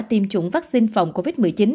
tiêm chủng vaccine phòng covid một mươi chín